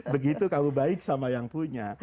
begitu kamu baik sama yang punya